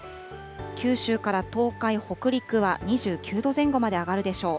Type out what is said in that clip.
九州から東海、北陸は２９度前後まで上がるでしょう。